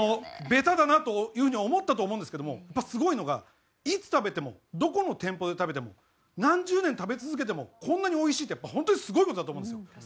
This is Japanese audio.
ベタだなというふうに思ったと思うんですけどもすごいのがいつ食べてもどこの店舗で食べても何十年食べ続けてもこんなに美味しいってホントにすごい事だと思うんですよ。